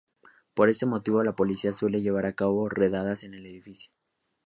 Por este motivo, la policía suele llevar a cabo redadas en el edificio.